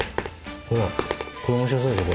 ほらこれ面白そうでしょ